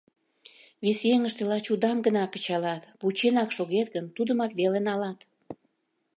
Вес еҥыште лач удам гына кычалат, вученак шогет гын, тудымак веле налат.